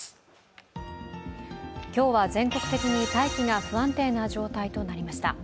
今日は全国的に大気が不安定な状態となりました。